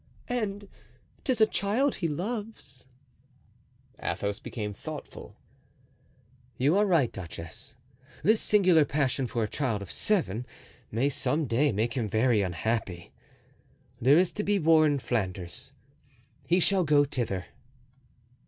"And 'tis a child he loves." Athos became thoughtful. "You are right, duchess. This singular passion for a child of seven may some day make him very unhappy. There is to be war in Flanders. He shall go thither."